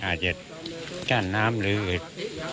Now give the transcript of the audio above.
อาจจะก้านน้ำหรือเหตุ